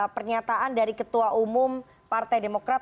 pernyataan dari ketua umum partai demokrat